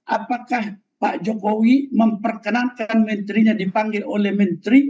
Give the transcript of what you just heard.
apakah pak jokowi memperkenankan menterinya dipanggil oleh menteri